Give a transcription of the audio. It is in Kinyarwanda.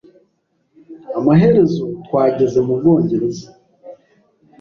Amaherezo, twageze mu Bwongereza.